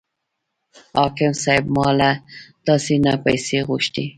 حاکم صاحب ما له تاسې نه پیسې غوښتې.